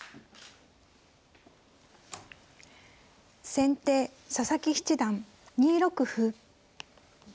先手佐々木七段２六歩。